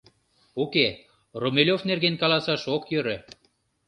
Уке, Румелёв нерген каласаш ок йӧрӧ...